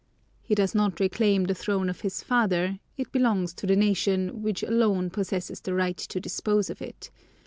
"He does not reclaim the throne of his father; it belongs to the nation, which alone possesses the right to dispose of it.